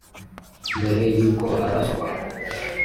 Mbere y’uko araswa